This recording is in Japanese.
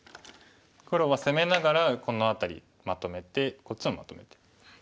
黒は攻めながらこの辺りまとめてこっちもまとめて。